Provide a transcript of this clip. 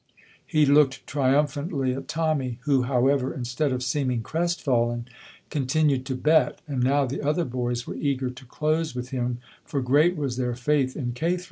He looked triumphantly at Tommy, who, however, instead of seeming crestfallen, continued to bet, and now the other boys were eager to close with him, for great was their faith in Cathro.